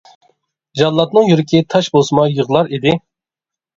جاللاتنىڭ يۈرىكى تاش بولسىمۇ يىغلار ئىدى.